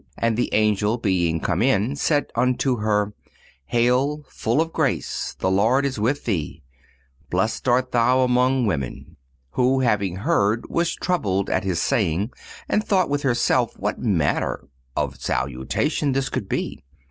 And the Angel being come in said unto her: Hail, full of grace, the Lord is with thee; blessed art thou among women. Who, having heard, was troubled at his saying and thought with herself what manner of salutation this should be.